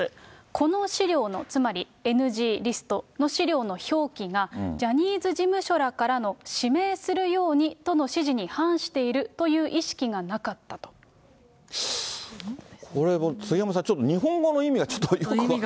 この資料の、つまりＮＧリストの資料の表記が、ジャニーズ事務所らからの指名するようにとの指示に反しているとこれは、杉山さん、ちょっと日本語の意味がちょっとよく分からない。